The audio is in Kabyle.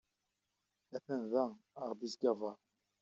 Atan da, aɣ-d ittgabaṛ.